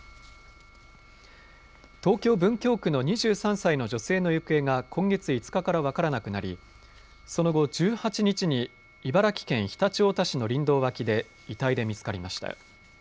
東京文京区の２３歳の女性の行方が今月５日から分からなくなりその後、１８日に茨城県常陸太田市の林道脇で遺体で見つかりました。